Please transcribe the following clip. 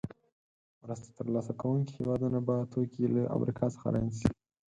مرسته تر لاسه کوونکې هېوادونه به توکي له امریکا څخه رانیسي.